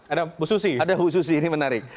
ada bu susi ada bu susi ini menarik